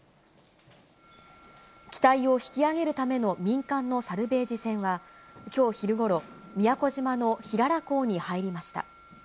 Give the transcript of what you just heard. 機体を引き揚げるための民間のサルベージ船は、きょう昼ごろ、宮古島の平良港に入りました。